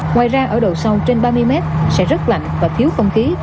ngoài ra ở độ sâu trên ba mươi m sẽ rất lạnh và thiếu khóa